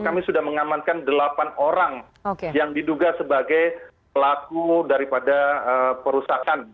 kami sudah mengamankan delapan orang yang diduga sebagai pelaku daripada perusahaan